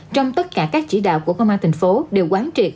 trong tất cả các chỉ đạo của công an tp hcm đều quán triệt